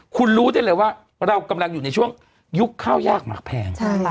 คุณรู้ได้เลยว่าเรากำลังอยู่ในช่วงยุคข้าวยากหมากแพง